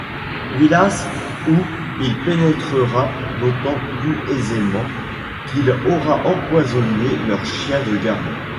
Villas où il pénétrera d'autant plus aisément qu’il aura empoisonné leurs chiens de garde.